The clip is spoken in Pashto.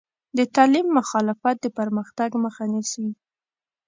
د تعلیم مخالفت د پرمختګ مخه نیسي.